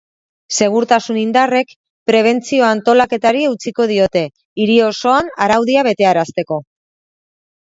Segurtasun indarrek prebentzio-antolaketari eutsiko diote, hiri osoan araudia betearazteko.